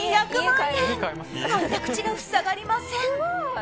開いた口が塞がりません。